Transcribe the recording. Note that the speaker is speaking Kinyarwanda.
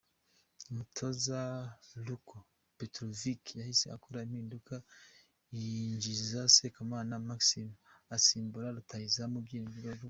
Umutoza Ljupko Petrović yahise akora impinduka yinjiza Sekamana Maxime asimbura rutahizamu Byiringiro Lague.